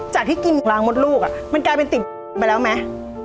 ที่กินล้างมดลูกมันกลายเป็นติดไปแล้วไหม